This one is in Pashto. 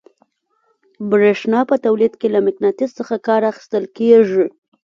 برېښنا په تولید کې له مقناطیس څخه کار اخیستل کیږي.